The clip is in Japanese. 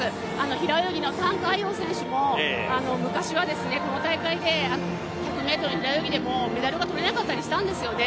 平泳ぎの覃海洋選手も昔はこの大会で１００ｍの平泳ぎでもメダルが取れなかったりしたんですよね。